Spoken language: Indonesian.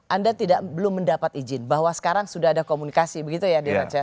anda belum mendapat izin bahwa sekarang sudah ada komunikasi begitu ya di raca